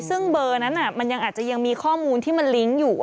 ซึ่งเบอร์นั้นมันยังอาจจะยังมีข้อมูลที่มันลิงก์อยู่